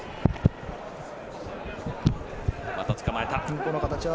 また、つかまえた。